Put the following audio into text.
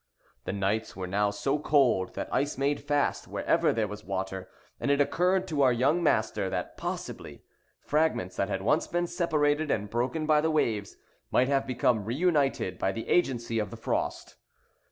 The nights were now so cold that ice made fast wherever there was water; and it occurred to our young master that, possibly, fragments that had once been separated and broken by the waves, might have become reunited by the agency of the frost.